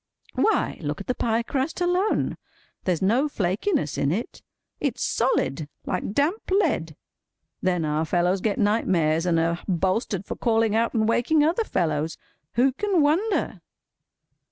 Why, look at the pie crust alone. There's no flakiness in it. It's solid—like damp lead. Then our fellows get nightmares, and are bolstered for calling out and waking other fellows. Who can wonder!